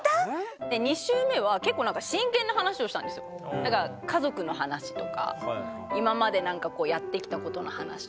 家族の話とか今までなんかやってきたことの話とか。